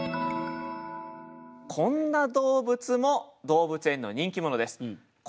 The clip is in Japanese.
こんな動物も動物園の人気者です。